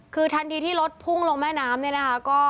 คือทันทีที่รถพุ่งลงแม่น้ำเนี่ยนะคะ